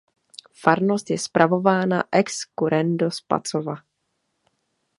Farnost je spravována ex currendo z Pacova.